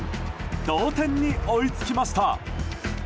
同点に追いつきました。